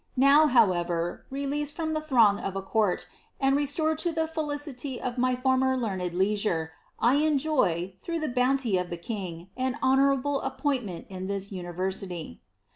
Now, however, released from the throng of a court, and rastored to the ii^licity of my former learned leisure, 1 enjoy, through the bounty of the king,' an honourable appointment in this university.